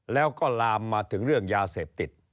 แล้วก็ลามมาถึงเรื่องยาเสพติด